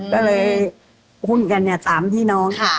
ก็เลยหุ้นกันเนี่ย๓พี่น้อง